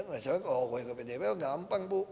masya allah ke ahok ke pdip gampang